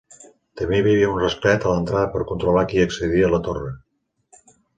També hi havia un rasclet a l'entrada per controlar qui accedia a la torre.